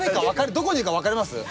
どこにいるか分かります？